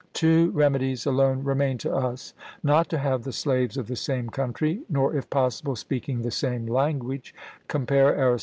Two remedies alone remain to us, not to have the slaves of the same country, nor if possible, speaking the same language (compare Aris.